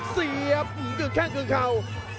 เสียบกึ่งแข้งกึงเข่า